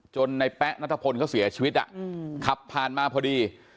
จนน์ในแป๊ะน้าทธพลเขาเสียชีวิตฮึครับผ่านมาพอดี